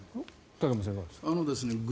武隈さんいかがですか。